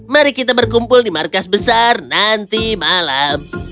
mari kita berkumpul di markas besar nanti malam